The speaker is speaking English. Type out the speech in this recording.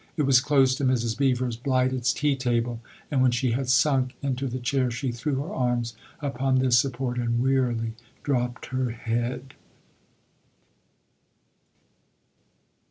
It was close to Mrs. Beever's blighted tea table, and when she had sunk into the chair she threw her arms upon this support and wearily dropped her head.